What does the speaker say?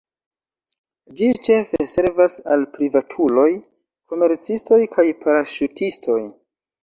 Ĝi ĉefe servas al privatuloj, komercistoj kaj paraŝutistoj.